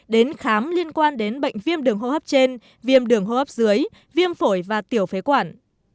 đến khám liên quan đến bệnh viêm đường hô hấp trên viêm đường hô hấp dưới viêm phổi và tiểu phế quản